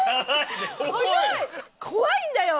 怖いんだよ。